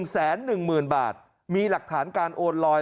๑แสน๑หมื่นบาทมีหลักฐานการโอนลอย